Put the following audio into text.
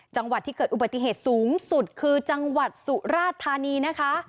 จังหวัดที่เกิดอุบัติเหตุสูงสุดคือจังหวัดสุราธานีนะคะ